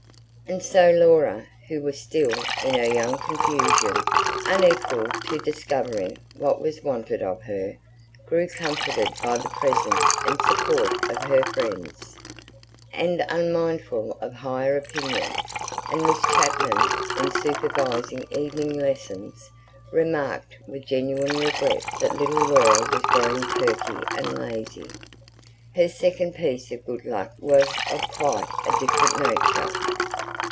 And so Laura, who was still, in her young confusion, unequal to discovering what was wanted of her, grew comforted by the presence and support of her friends, and unmindful of higher opinion; and Miss Chapman, in supervising evening lessons, remarked with genuine regret that little Laura was growing perky and lazy. Her second piece of good luck was of quite a different nature.